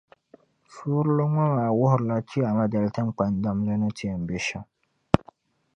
Suurili ŋɔ maa wuhirila Chiyaama dali tiŋgbani damli ni yɛn ti nyɛ shɛm.